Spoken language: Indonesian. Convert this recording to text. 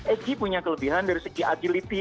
egy punya kelebihan dari segi agility